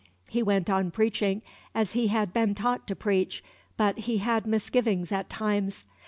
He went on preaching as he had been taught to preach, but he had misgivings at times.